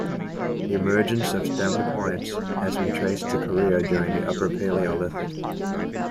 The emergence of stemmed points has been traced to Korea during the upper Paleolithic.